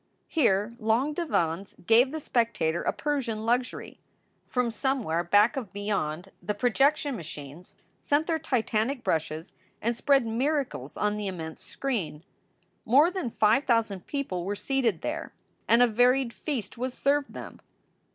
Here long divans gave the spec tator a Persian luxury. From somewhere back of beyond the projection machines sent their titanic brushes and spread miracles on the immense screen. More than five thousand people were seated there, and a varied feast was served them.